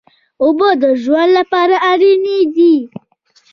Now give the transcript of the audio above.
اوبه د ژوند لپاره اړینې دي.